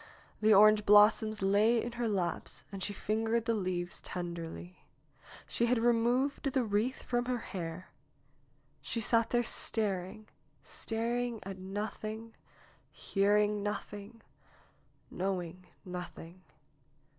The orange blossoms lay in her laps and she fingered the leaves tenderly. She had removed the 72 NAOMI'S WEDDING BELLS wreath from her hair. She sat there staring, staring at nothing, hearing nothing, knowing nothing.